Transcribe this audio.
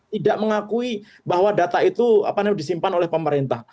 tidak mengakui bahwa data itu disimpan oleh pemerintah